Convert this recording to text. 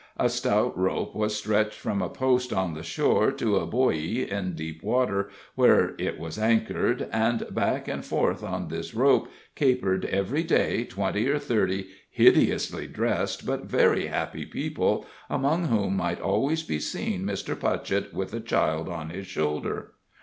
A stout rope was stretched from a post on the shore to a buoy in deep water where it was anchored, and back and forth on this rope capered every day twenty or thirty hideously dressed but very happy people, among whom might always be seen Mr. Putchett with a child on his shoulder.